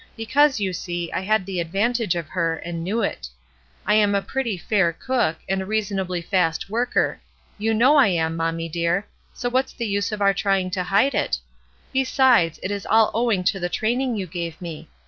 Because, you see, I had the advantage of her, and knew it. I am a pretty fair cook, and a reasonably fast worker ; you know I am, mommy dear, so what's the use of our trying to hide it? Besides, it is all owing to the training you gave me.